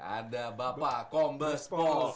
ada bapak kombespo sumaji